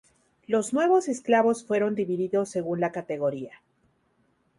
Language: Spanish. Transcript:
Los nuevos esclavos fueron divididos según la categoría.